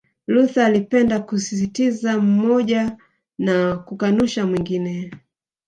Luther alipenda kusisitiza mmoja na kukanusha mwingine